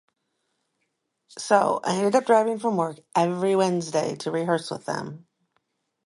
So I ended up driving from work every Wednesday to rehearse with them.